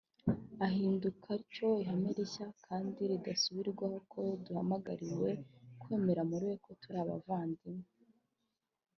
ahinduka atyo ihame rishya kandi ridasubirwaho ko duhamagariwe kwemera muri We ko turi abavandimwe